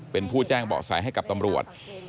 เป็นผู้แจ้งเบาะแสให้กับตำรวจ